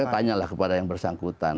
saya tanya lah kepada yang bersangkutan